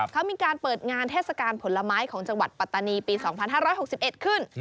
เขามีการเปิดงานเทศกาลผลไม้ของจังหวัดปัตตานีปี๒๕๖๑ขึ้น